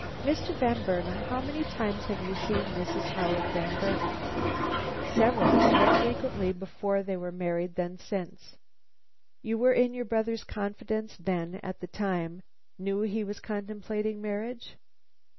"Mr. Van Burnam, how many times have you seen Mrs. Howard Van Burnam?" "Several. More frequently before they were married than since." "You were in your brother's confidence, then, at that time; knew he was contemplating marriage?"